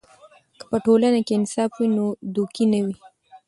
که په ټولنه کې انصاف وي، نو دوکې نه وي.